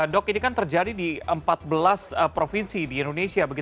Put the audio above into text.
dok ini kan terjadi di empat belas provinsi di indonesia